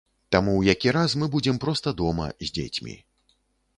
Таму ў які раз мы будзем проста дома з дзецьмі.